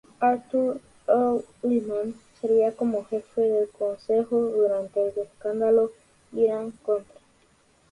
Arthur L. Liman servía como jefe del Consejo durante el escándalo Irán-Contra.